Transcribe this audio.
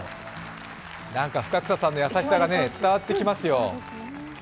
深草さんの優しさが伝わってきますよ。